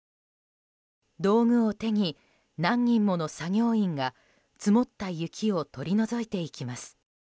道具を手に何人もの作業員が積もった雪を取り除いていきます。